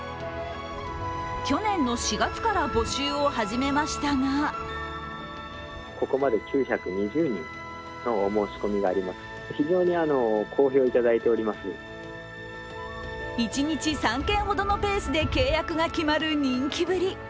去年の４月から募集を始めましたが一日３件ほどのペースで契約が決まる人気ぶり。